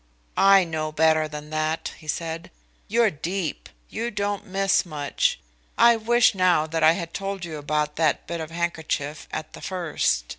"I know better than that," he said. "You're deep. You don't miss much. I wish now that I had told you about that bit of handkerchief at the first.